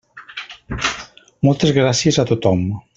Moltes gràcies a tothom.